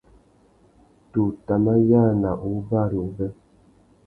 Tu tà mà yāna u wú bari wubê.